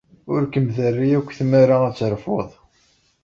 Ur kem-terri akk tmara ad terfuḍ.